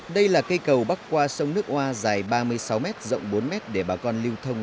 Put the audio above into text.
đây là cây cầu bắc qua sông nước oa dài ba mươi sáu m rộng bốn m để bà con lưu thông